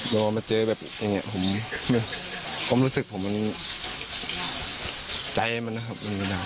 แล้วมาเจอแบบอย่างนี้ผมรู้สึกผมมันใจมันนะครับ